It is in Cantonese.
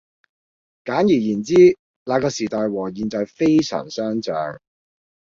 簡而言之，那個時代和現在非常相像